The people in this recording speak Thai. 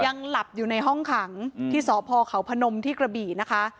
ยังหลับอยู่ในห้องขังที่สพเขาพนมที่กระบี่นะคะ